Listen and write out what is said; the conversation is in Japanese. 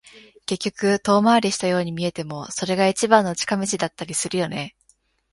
結局、遠回りしたように見えても、それが一番の近道だったりするよね。